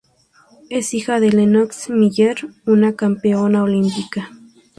Es hija de Lennox Miller, una campeona olímpica.